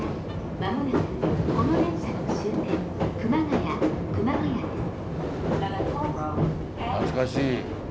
間もなくこの電車の終点熊谷熊谷です」。